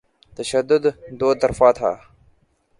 تشدد دوطرفہ تھا۔